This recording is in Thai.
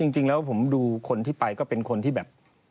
จริงแล้วผมดูคนที่ไปก็เป็นคนที่แบบ